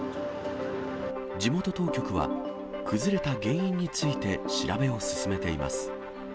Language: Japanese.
地元当局は、崩れた原因について調べを進めています。